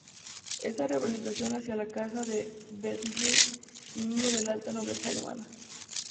Esta representación hacía a la Casa de Bentheim miembro de la Alta Nobleza alemana.